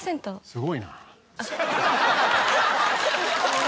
すごいな。